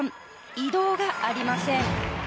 移動がありません。